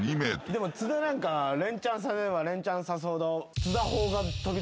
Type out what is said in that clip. でも津田なんかレンチャンさせればレンチャンさすほど。